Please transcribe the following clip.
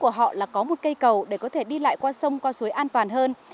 và mỡ của họ là có một cây cầu để có thể đi lại qua sông qua suối an toàn hơn